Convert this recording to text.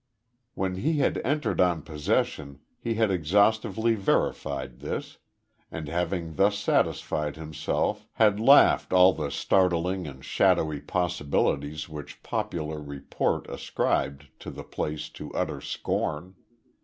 When he had entered on possession he had exhaustively verified this, and having thus satisfied himself had laughed all the startling and shadowy possibilities which popular report ascribed to the place to utter scorn.